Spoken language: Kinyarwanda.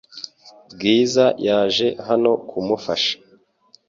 Bwiza yaje hano kumufasha .